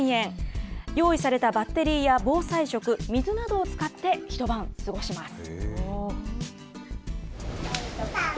用意されたバッテリーや防災食、水などを使って一晩過ごします。